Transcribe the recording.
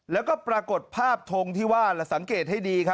แล้วก็ปรากฏภาพทงที่ว่าสังเกตให้ดีครับ